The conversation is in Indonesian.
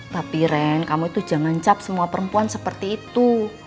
bapiren kamu itu jangan cap semua perempuan seperti itu